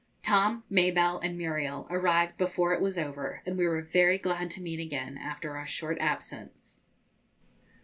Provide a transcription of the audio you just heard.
Tom, Mabelle, and Muriel arrived before it was over, and we were very glad to meet again after our short absence.